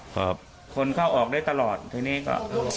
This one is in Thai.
ก็คนเข้าออกได้ตลอดทีนี้ก็